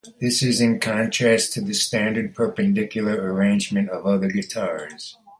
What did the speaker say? This is in contrast to the standard perpendicular arrangement of other guitars.